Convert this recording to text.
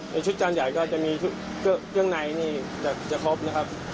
ในชุดจานใหญ่ก็จะมีเกื้องไหนใหญ่จะครบนะครับ